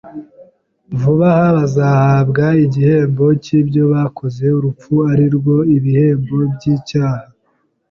Vuba aha bazahabwa igihembo cy’ibyo bakoze, urupfu ari rwo bihembo by’icyaha;